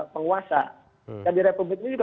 penguasa jadi republik ini juga